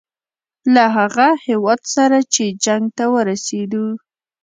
له هغه هیواد سره چې جنګ ته ورسېدو.